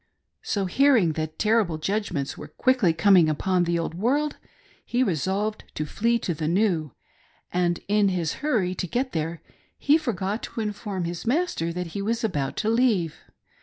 So hear ing that terrible judgments were quickly coming upon the Old World, he resolved to flee to the New, and in his hurry to get there he forgot to inform his master that he was about to leave.